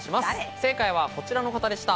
正解はこちらの方でした。